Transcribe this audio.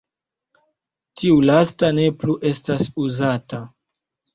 Tiu lasta ne plu estas uzata.